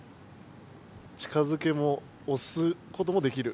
近づけも押すこともできる。